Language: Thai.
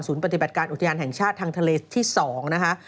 ปฏิบัติการอุทยานแห่งชาติทางทะเลที่๒นะคะ